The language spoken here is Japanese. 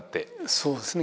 そうですね。